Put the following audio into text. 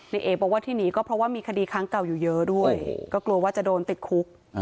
เอ๋บอกว่าที่หนีก็เพราะว่ามีคดีครั้งเก่าอยู่เยอะด้วยก็กลัวว่าจะโดนติดคุก